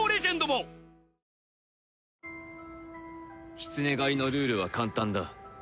キツネ狩りのルールは簡単だ。